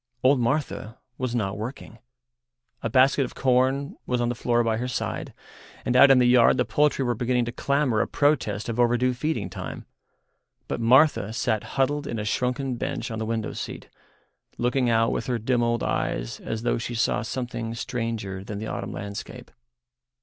Old Martha was not working. A basket of corn was on the floor by her side, and out in the yard the poultry were beginning to clamour a protest of overdue feeding time. But Martha sat huddled in a shrunken bunch on the window seat, looking out with her dim old eyes as though she saw something stranger than the autumn landscape.